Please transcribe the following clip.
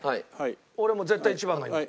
俺もう絶対１番がいい。